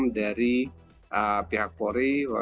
dan juga dari pihak polri